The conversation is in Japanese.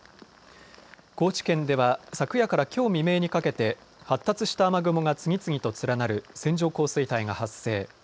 高知県では昨夜からきょう未明にかけて発達した雨雲が次々と連なる線状降水帯が発生。